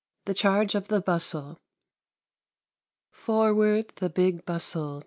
The Charge of the "Bustle." Forward the Big Bustle !